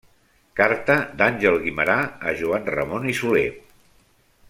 Carta d'Àngel Guimerà a Joan Ramon i Soler.